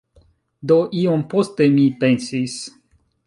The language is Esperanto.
Do, iom poste mi pensis